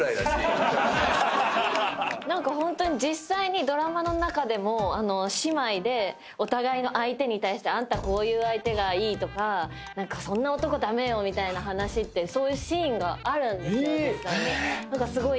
ホントに実際にドラマの中でも姉妹でお互いの相手に対してあんたこういう相手がいいとかそんな男駄目よみたいな話ってそういうシーンがあるんですよ